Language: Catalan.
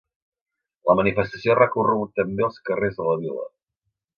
La manifestació ha recorregut també els carrers de la vila.